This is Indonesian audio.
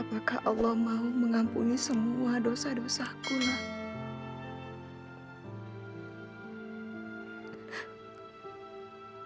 apakah allah mau mengampuni semua dosa dosa ku lam